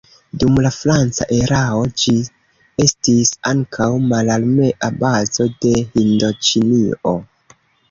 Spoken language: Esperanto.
Dum la franca erao ĝi estis ankaŭ mararmea bazo de Hindoĉinio.